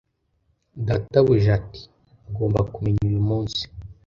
Databuja ati Ugomba kumenya uyu munsi